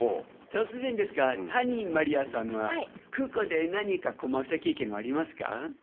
突然ですが、谷まりあさんは、空港で何か困った経験はあります